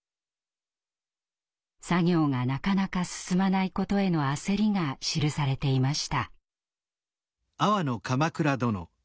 作業がなかなか進まないことへの焦りが記されていました。